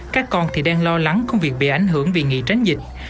các con thì đang lo lắng công việc bị ảnh hưởng vì nghỉ tránh dịch